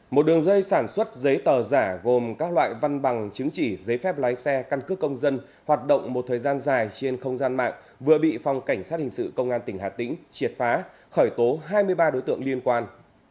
một đường dây sản xuất giấy tờ giả gồm các loại văn bằng chứng chỉ giấy phép lái xe căn cước công dân hoạt động một thời gian dài trên không gian mạng vừa bị phòng cảnh sát hình sự công an tỉnh hà tĩnh triệt phá khởi tố hai mươi ba đối tượng liên quan